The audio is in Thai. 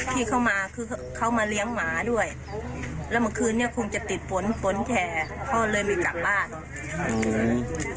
ที่เขามาเขามาเลี้ยงหมาด้วยแล้วเมื่อคืนนี้คงจะติดผลแถวเขาเลยไม่กลับบ้าน